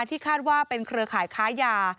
ที่คาดว่าเป็นเครือข่ายค้ายา